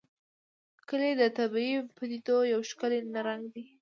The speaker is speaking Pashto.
کلي د طبیعي پدیدو یو ښکلی رنګ دی.